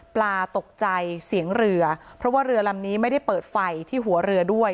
ตกใจเสียงเรือเพราะว่าเรือลำนี้ไม่ได้เปิดไฟที่หัวเรือด้วย